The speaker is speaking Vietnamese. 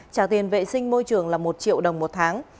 trả tiền vệ sinh môi trường là một triệu đồng một tháng